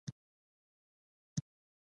الله نواز وویل دا د راتلونکي مسله ده.